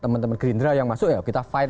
teman teman gerindra yang masuk ya kita fine